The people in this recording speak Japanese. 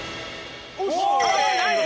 ナイス！